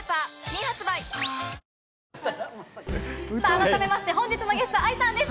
改めまして本日のゲスト、ＡＩさんです。